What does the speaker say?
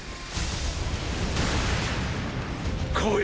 来い！！